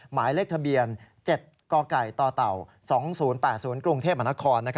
หมายเลขทะเบียน๗กกต๒๐๘๐กรุงเทพมนคร